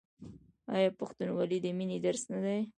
آیا پښتونولي د مینې درس نه دی؟